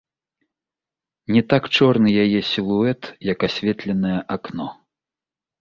Не так чорны яе сілуэт, як асветленае акно.